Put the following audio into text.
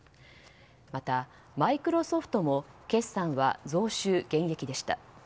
また、マイクロソフトも決算は増収減益でした。